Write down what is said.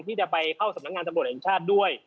ที่จะไปเข้าสำนักงานตำรวจแห่งชาติด้วย